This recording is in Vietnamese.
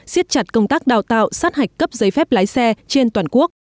xiết chặt công tác đào tạo sát hạch cấp giấy phép lái xe trên toàn quốc